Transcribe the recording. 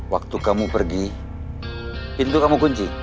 waktu kamu pergi pintu kamu kunci